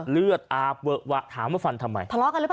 เลือดอาบเวอะวะถามว่าฟันทำไม